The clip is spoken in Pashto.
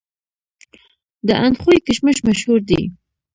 د اندخوی کشمش مشهور دي